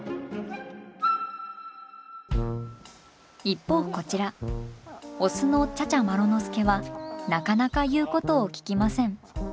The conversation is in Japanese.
一方こちらオスの茶々麻呂之介はなかなか言うことをききません。